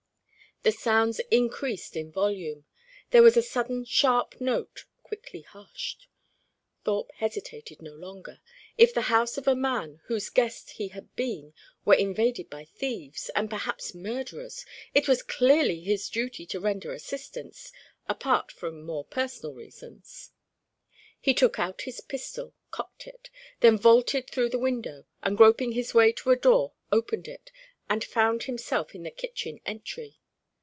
The sounds increased in volume. There was a sudden sharp note, quickly hushed. Thorpe hesitated no longer. If the house of a man whose guest he had been were invaded by thieves, and perhaps murderers, it was clearly his duty to render assistance, apart from more personal reasons. He took out his pistol, cocked it, then vaulted through the window, and groping his way to a door opened it and found himself in the kitchen entry.